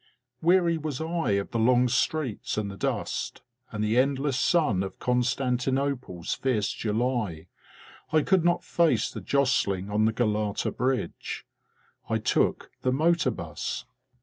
Weary was I of the long streets and the dust, and the endless sun of Constantinople's fierce July, I could not face the jost ling on the Galata bridge. I took the motor 'bus.